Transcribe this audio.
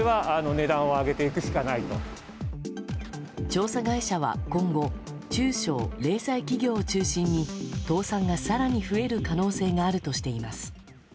調査会社は今後中小・零細企業を中心に倒産が更に増える可能性があるとしています。